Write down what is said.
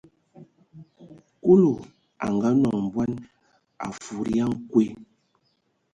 Kulu a ngaanɔŋ bɔn, a fudigi a nkwe.